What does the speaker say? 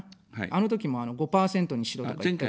あのときも、５％にしろとか言って。